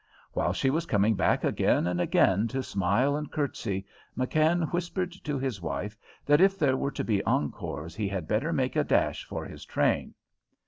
While she was coming back again and again to smile and curtsy, McKann whispered to his wife that if there were to be encores he had better make a dash for his train.